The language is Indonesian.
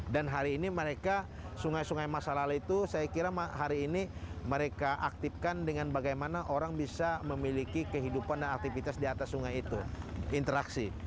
dan hari ini sungai sungai masyarakat itu saya kira mereka aktifkan dengan bagaimana orang bisa memiliki kehidupan dan aktivitas di atas sungai itu interaksi